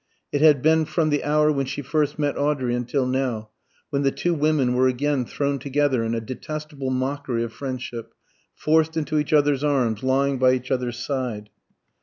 It had been from the hour when she first met Audrey until now, when the two women were again thrown together in a detestable mockery of friendship, forced into each other's arms, lying by each other's side.